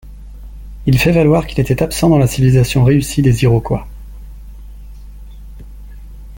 Il fait valoir qu'il était absent dans la civilisation réussie des Iroquois.